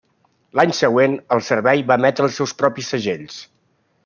L'any següent, el servei va emetre els seus propis segells.